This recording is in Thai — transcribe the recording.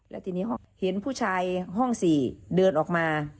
แล้วทีนี้เห็นผู้ชายห้อง๔เดินออกมา